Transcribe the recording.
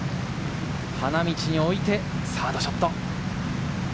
花道に置いて、サードショット。